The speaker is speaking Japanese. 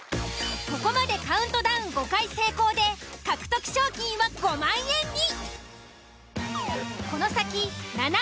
ここまでカウントダウン５回成功で獲得賞金は５万円に！